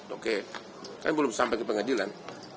oke kami belum sampai ke pengadilan